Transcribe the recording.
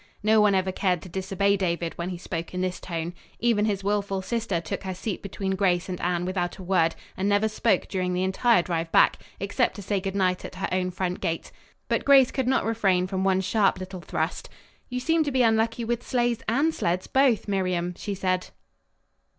No one ever cared to disobey David when he spoke in this tone. Even his wilful sister took her seat between Grace and Anne without a word and never spoke during the entire drive back, except to say good night at her own front gate. But Grace could not refrain from one sharp little thrust. "You seem to be unlucky with sleighs and sleds both, Miriam," she said.